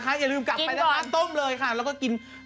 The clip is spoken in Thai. อย่าลืมกลับไปนะคะต้มเลยค่ะแล้วก็กิน